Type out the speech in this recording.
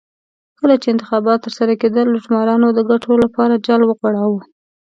کله چې انتخابات ترسره کېدل لوټمارو د ګټو لپاره جال وغوړاوه.